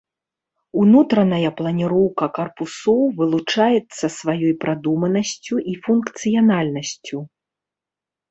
Унутраная планіроўка карпусоў вылучаецца сваёй прадуманасцю і функцыянальнасцю.